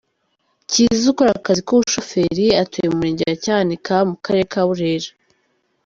Cyiza, ukora akazi k’ubushoferi, atuye mu murenge wa Cyanika, mu karere ka Burera.